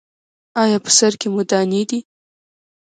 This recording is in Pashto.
ایا په سر کې مو دانې دي؟